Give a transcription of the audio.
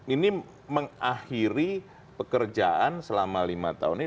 ini mengakhiri pekerjaan selama lima tahun ini